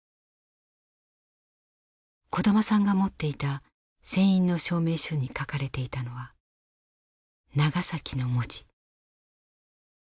小玉さんが持っていた船員の証明書に書かれていたのは「ナガサキ」の文字。